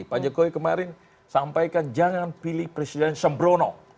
pak jokowi kemarin sampaikan jangan pilih presiden sembrono